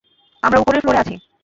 আমরা উপরের ফ্লোরে আছি।